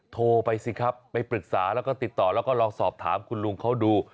โทรไปสิครับไปปรึกษาแล้วก็ติดต่อแล้วก็ลองสอบถามคุณลุงเขาดู